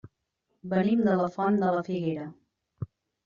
Venim de la Font de la Figuera.